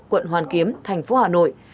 quận hoàn kiếm thành phố hà nội